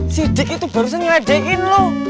si dik itu barusan ngajakin lo